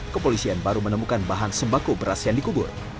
kepolisian baru menemukan bahan sembako beras yang dikubur